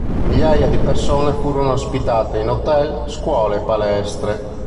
Migliaia di persone furono ospitate in hotel, scuole e palestre.